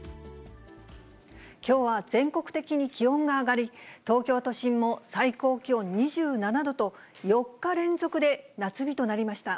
きょうは全国的に気温が上がり、東京都心も最高気温２７度と、４日連続で夏日となりました。